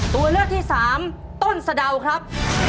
ตัวเลือกที่สามต้นสะดาวครับ